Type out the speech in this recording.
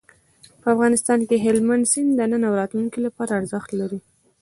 په افغانستان کې هلمند سیند د نن او راتلونکي لپاره ارزښت لري.